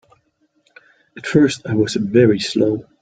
At first I was very slow.